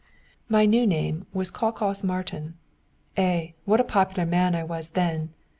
My new name was "Kakas Mártin." Eh, what a popular man I was then!